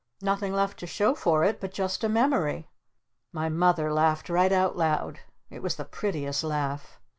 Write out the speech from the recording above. Nothing left to show for it but just a memory." My Mother laughed right out loud. It was the prettiest laugh.